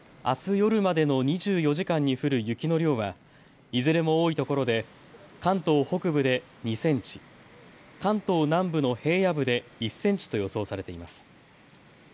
あす夜までの２４時間に降る雪の量はいずれも多いところで関東北部で２センチ、関東南部の平野部で１センチと予想されています。